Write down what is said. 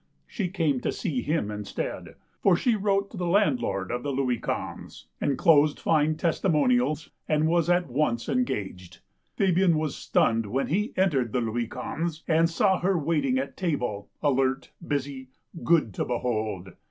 She came to see him instead, for she wrote to the landlord of the Louis Ouinze, enclosed fine testimonials, and was at once engaged. Fabian w^as stunned when he entered the Louis Ouinze and saw her waiting at table, alert, busy, good to behold.